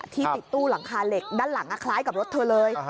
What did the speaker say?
ที่ติดตู้หลังคาเหล็กด้านหลังคล้ายกับรถเธอเลย